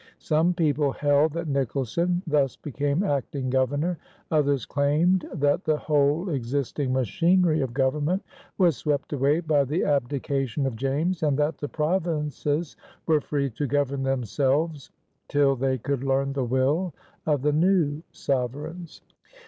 Some people held that Nicholson thus became acting Governor; others claimed that the whole existing machinery of government was swept away by the abdication of James and that the provinces were free to govern themselves till they could learn the will of the new sovereigns.